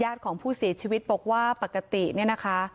ของผู้เสียชีวิตบอกว่าปกติเนี่ยนะคะ